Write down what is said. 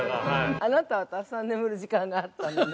◆あなたは、たくさん眠る時間があったのね。